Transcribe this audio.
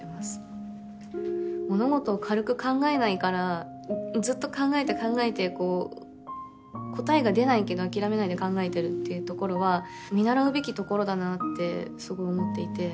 物事を軽く考えないからずっと考えて考えてこう答えが出ないけど諦めないで考えてるっていうところは見習うべきところだなってすごい思っていて。